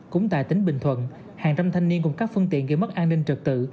cũng tại tỉnh bình thuận hàng trăm thanh niên cùng các phương tiện ghi mất an ninh trực tự